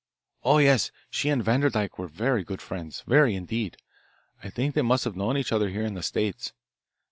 "Oh, yes, she and Vanderdyke were very good friends, very, indeed. I think they must have known each other here in the States.